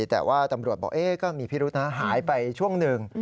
แต่ว่าตำรวจบอกก็มีพิรุธนะหายไปช่วงหนึ่ง